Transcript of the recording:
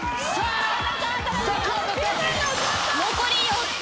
残り４つ！